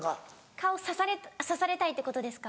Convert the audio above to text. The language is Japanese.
顔さされたいってことですか？